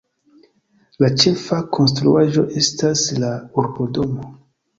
La ĉefa konstruaĵo estas la Urbodomo.